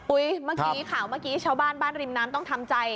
อุ๊ยเมื่อกี้ข่าวเช้าบ้านบ้านริมน้ำต้องทำใจ